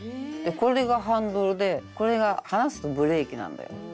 「これがハンドルでこれが離すとブレーキなんだよ」。